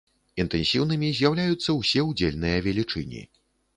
Інтэнсіўнымі з'яўляюцца ўсе удзельныя велічыні.